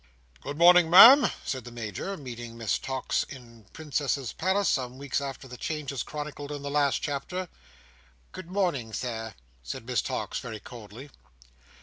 "Good morning, Ma'am," said the Major, meeting Miss Tox in Princess's Place, some weeks after the changes chronicled in the last chapter. "Good morning, Sir," said Miss Tox; very coldly.